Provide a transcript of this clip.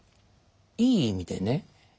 いい意味でね